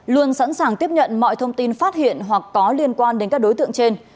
luôn sẵn sàng tiếp nhận mọi thông tin phát hiện hoặc có liên quan đến các đối tượng trên